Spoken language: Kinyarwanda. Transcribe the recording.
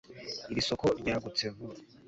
Iri soko ryagutse vuba